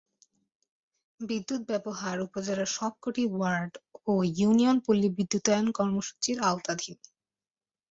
বিদ্যুৎ ব্যবহার উপজেলার সবক’টি ওয়ার্ড ও ইউনিয়ন পল্লিবিদ্যুতায়ন কর্মসূচির আওতাধীন।